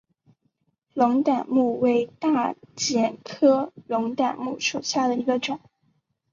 龙胆木为大戟科龙胆木属下的一个种。